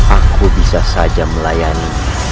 aku bisa saja melayani